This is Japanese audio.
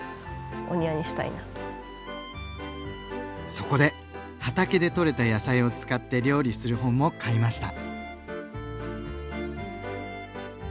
そこで畑でとれた野菜を使って料理する本も買いました。